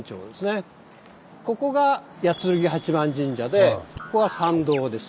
ここが八劔八幡神社でここが参道です。